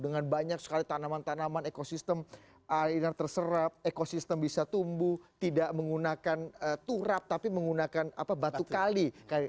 dengan banyak sekali tanaman tanaman ekosistem air yang terserap ekosistem bisa tumbuh tidak menggunakan turap tapi menggunakan batu kali